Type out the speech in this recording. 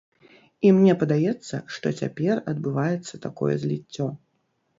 І мне падаецца, што цяпер адбываецца такое зліццё.